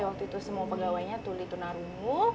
waktu itu semua pegawainya tuli tunarungu